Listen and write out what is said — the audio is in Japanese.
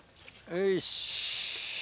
よし。